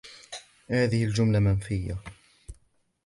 هذه الجملة منفية